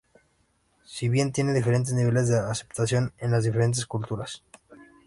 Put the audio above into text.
Si bien tiene diferentes niveles de aceptación en las diferentes culturas.